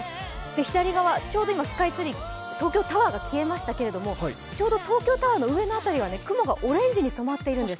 左側、ちょうど今、スカイツリー、東京タワーが消えましたけれども、ちょうど東京タワーの上の辺りは雲がオレンジに染まっているんです。